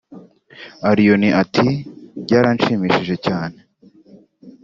Allioni ati “ Byaranshimishije cyane